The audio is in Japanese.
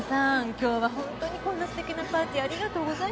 今日は本当にこんな素敵なパーティーありがとうございます。